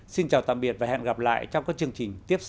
xin chào tạm biệt và hẹn gặp lại trong các chương trình tiếp sau